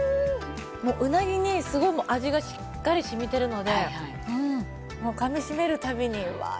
もううなぎにすごい味がしっかり染みているのでかみ締める度にうわあ